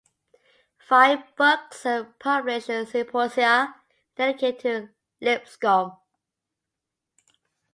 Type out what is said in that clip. Five books and published symposia are dedicated to Lipscomb.